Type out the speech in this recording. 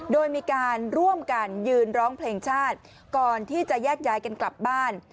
โดยมีการร่วมกันยืนร้องเพลงชาติก่อนที่จะแยกย้ายกันกลับบ้าน